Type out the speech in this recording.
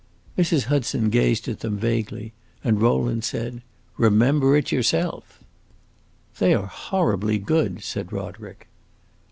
Mrs. Hudson gazed at them vaguely, and Rowland said, "Remember it yourself!" "They are horribly good!" said Roderick.